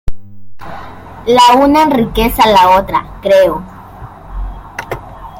La una enriquece a la otra, creo.